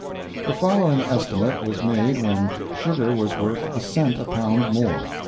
The following estimate was made when sugar was worth a cent a pound more.